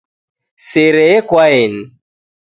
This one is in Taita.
Sere yekwaeni